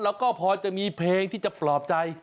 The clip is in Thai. แล้วก็พอจะมีเพลงที่จะปลอบใจ